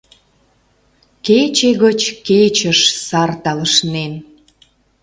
Кече гыч кечыш сар талышнен.